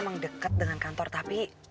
memang dekat dengan kantor tapi